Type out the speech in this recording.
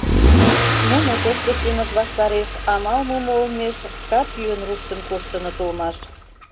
Нуно тошто Семык ваштареш амал мумо олмеш шкат йӱын руштын коштыныт улмаш.